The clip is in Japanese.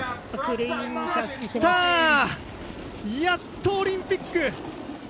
やっとオリンピック。